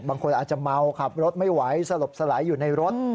บางคนอาจจะเมาขับรถไม่ไหวสลบสลายอยู่ในรถ